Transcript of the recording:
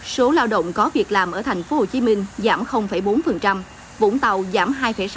số lao động có việc làm ở tp hcm giảm bốn vũng tàu giảm hai sáu